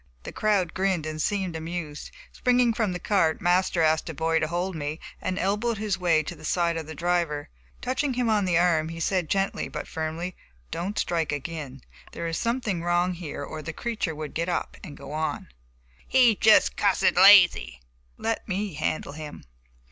The crowd grinned and seemed amused. Springing from the cart, Master asked a boy to hold me, and elbowed his way to the side of the driver. Touching him on the arm, he said gently, but firmly: "Don't strike again; there is something wrong here or the creature would get up and go on." "He's jest cussed lazy!" "Let me handle him."